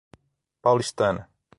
Paulistana